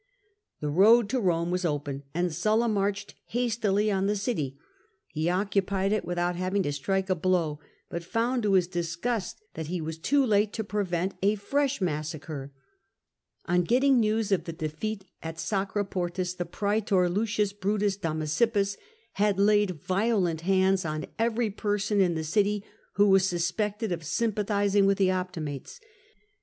The road to Eome was open, and Sulla marched hastily on the city : he occupied it without having to strike a blow, but found to his dis gust that he was too late to prevent a fresh massacre. On getting news of the defeat at Sacriportus, the praetor L. Brutus Damasippus had laid violent hands on every person in the city who was suspected of sympathising with the Optimates.